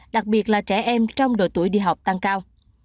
đặc biệt là trẻ em trong độ tuổi đi học tăng cao